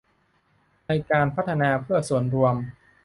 ในการพัฒนาเพื่อส่วนรวม